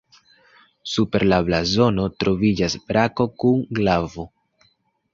Super la blazono troviĝas brako kun glavo.